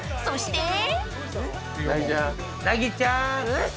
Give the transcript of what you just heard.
［そして］